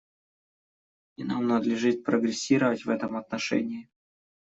И нам надлежит прогрессировать в этом отношении.